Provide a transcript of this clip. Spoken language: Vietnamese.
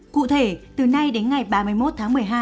cụ thể từ nay đến ngày ba mươi một tháng một mươi hai